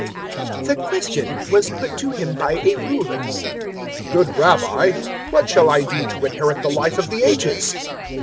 018:018 The question was put to Him by a Ruler: "Good Rabbi, what shall I do to inherit the Life of the Ages?"